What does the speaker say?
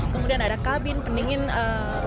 kemudian ada kabin pendingin